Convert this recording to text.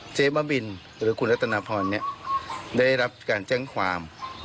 เจ๊บ้าบินหรือคุณรัตนพรได้รับการแจ้งความ